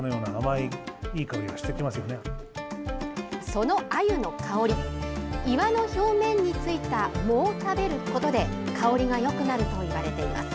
その、あゆの香り岩の表面についたもを食べることで香りがよくなるといわれています。